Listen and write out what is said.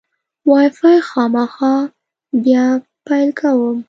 وای فای خامخا بیا پیل کوم.